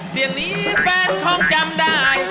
เสียงนี้แฟนคงจำได้